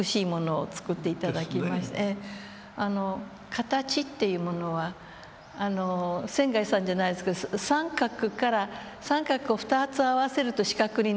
形っていうものは仙さんじゃないですけど三角から三角を２つ合わせると四角になるわけですよね。